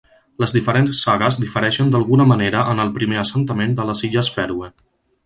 Les diferents sagues difereixen d'alguna manera en el primer assentament de les Illes Fèroe.